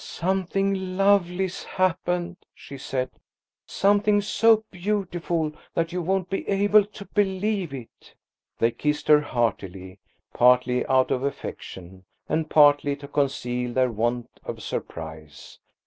"Something lovely's happened," she said; "something so beautiful that you won't be able to believe it." They kissed her heartily, partly out of affection, and partly to conceal their want of surprise.